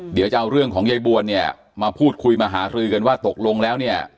เดี๋ยวจะเอาเรื่องของยายบวนเนี่ยมาพูดคุยมาหารือกันว่าตกลงแล้วเนี่ย